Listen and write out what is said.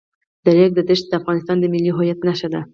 د ریګ دښتې د افغانستان د ملي هویت نښه ده.